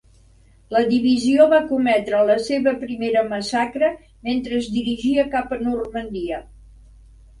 La divisió va cometre la seva primera massacre mentre es dirigia cap a Normandia.